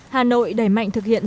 hà nội đẩy mạnh thực hiện